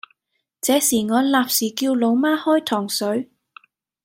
這時我立時叫老媽開糖水